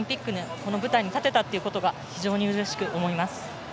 この舞台に立てたということが非常にうれしく思います。